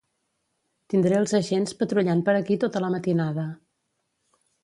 Tindré els Agents patrullant per aquí tota la matinada.